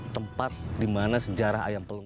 tempat di mana sejarah ayam pelung